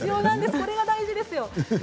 これが大事です